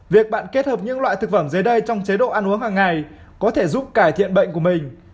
việc bạn kết hợp những loại thực phẩm dưới đây trong chế độ ăn uống hàng ngày có thể giúp cải thiện bệnh của mình